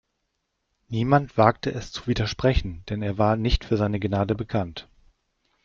Niemand wagte es zu widersprechen, denn er war nicht für seine Gnade bekannt.